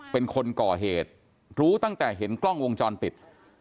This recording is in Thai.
เป็นคนก่อเหตุรู้ตั้งแต่เห็นกล้องวงจรปิด